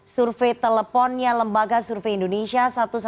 survei teleponnya lembaga survei indonesia